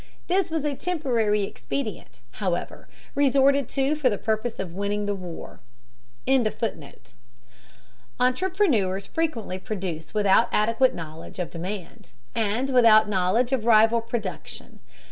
This was a temporary expedient, however, resorted to for the purpose of winning the war.] Entrepreneurs frequently produce without adequate knowledge of demand, and without knowledge of rival production.